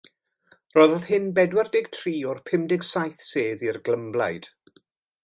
Rhoddodd hyn bedwar deg tri o'r pum deg saith sedd i'r glymblaid.